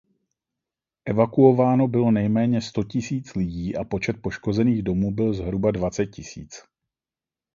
Evakuováno bylo nejméně sto tisíc lidí a počet poškozených domů byl zhruba dvacet tisíc.